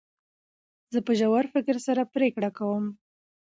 زه په ژور فکر سره پرېکړي کوم.